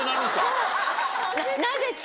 そう！